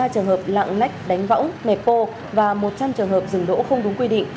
một mươi ba trường hợp lặng lách đánh võng mẹp bô và một trăm linh trường hợp dừng đỗ không đúng quy định